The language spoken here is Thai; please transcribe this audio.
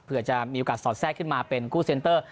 เพื่อจะมีโอกาสสอดแทรกขึ้นมาเป็นคู่เซ็นเตอร์